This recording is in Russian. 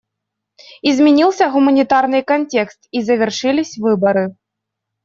Изменился гуманитарный контекст, и завершились выборы.